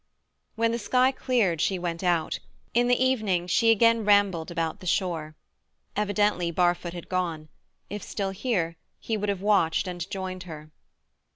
When the sky cleared she went out. In the evening she again rambled about the shore. Evidently Barfoot had gone; if still here, he would have watched and joined her.